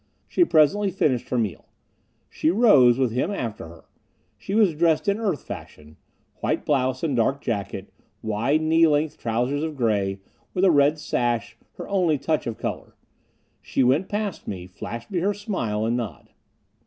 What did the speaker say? She presently finished her meal. She rose, with him after her. She was dressed in Earth fashion white blouse and dark jacket, wide, knee length trousers of gray, with a red sash her only touch of color. She went past me, flashed me her smile and nod.